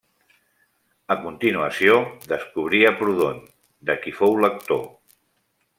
A continuació, descobrí a Proudhon, de qui fou lector.